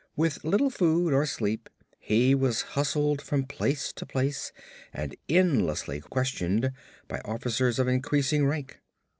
With little food or sleep he was hustled from place to place and endlessly questioned by officers of increasing rank.